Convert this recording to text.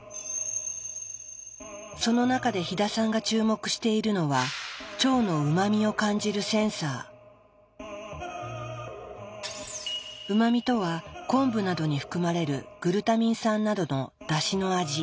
その中で飛田さんが注目しているのはうま味とは昆布などに含まれる「グルタミン酸」などのだしの味。